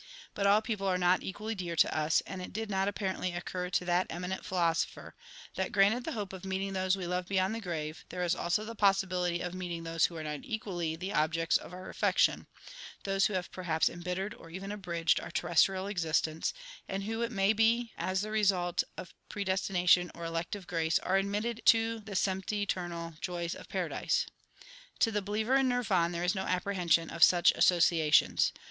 But all people are not equally dear to us, and it did not apparently occur to that eminent philosopher that, granted the hope of meeting those we love beyond the grave, there is also the possibility of meeting those who are not equally the objects of our affection those who have perhaps embittered or even abridged our terrestrial existence, and who, it may be as the result of predestination or elective grace, are admitted to the sempiternal joys of paradise. To the believer in Nirvan there is no apprehension of such associations.